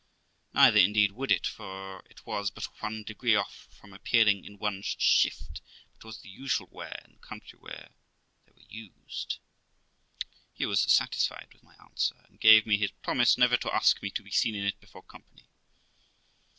Neither, indeed, would it, for it was but one degree off from appearing in one's shift, but was the usual wear in the country where they were used. He was satisfied with my answer, and gave me his promise never to ask me to be seen in it before company.